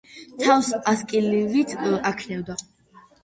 თავს ასკილივით აქნევდა.